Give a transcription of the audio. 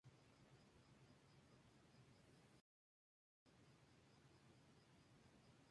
Para ello ordenó a sus sátrapas enviar refuerzos, pero estos nunca llegaron.